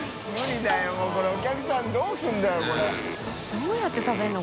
どうやって食べるの？